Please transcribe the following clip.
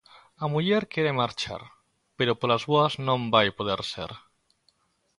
A muller quere marchar, pero polas boas non vai poder ser.